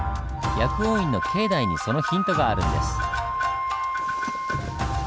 薬王院の境内にそのヒントがあるんです。